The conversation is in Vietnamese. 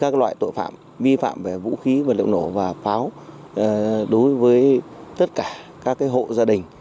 các loại tội phạm vi phạm về vũ khí vật liệu nổ và pháo đối với tất cả các hộ gia đình